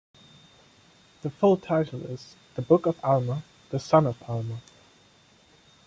The full title is The Book of Alma: The Son of Alma.